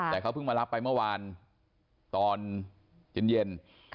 แต่เขาเพิ่งมารับไปเมื่อวานตอนเย็น